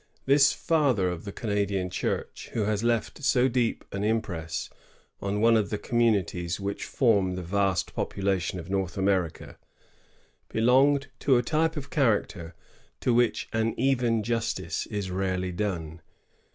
This father of the Canadian Church, who has left so deep an impress on one of the communities which form the vast population of North America, belonged to a type of character to which an even justice is rarely done.